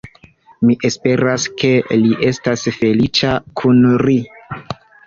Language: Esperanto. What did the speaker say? Mi esperas ke li estas feliĉa kun ri.